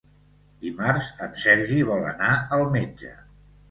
Dimarts en Sergi vol anar al metge.